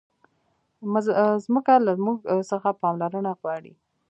مځکه له موږ څخه پاملرنه غواړي.